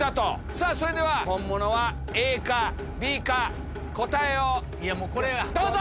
さぁそれでは本物はＡかＢか答えをどうぞ！